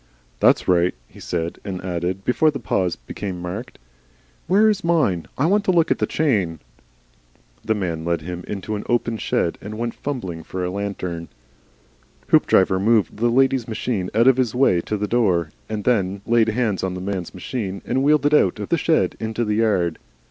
"That's right," he said, and added, before the pause became marked, "Where is mine? I want to look at the chain." The man led him into an open shed, and went fumbling for a lantern. Hoopdriver moved the lady's machine out of his way to the door, and then laid hands on the man's machine and wheeled it out of the shed into the yard.